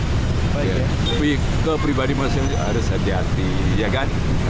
tapi ke pribadi masih harus hati hati ya kan